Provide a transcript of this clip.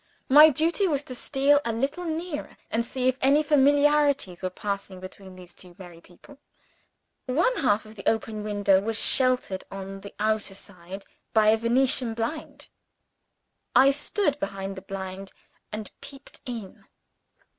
My duty was to steal a little nearer, and see if any familiarities were passing between these two merry young people. One half of the open window was sheltered, on the outer side, by a Venetian blind. I stood behind the blind, and peeped in.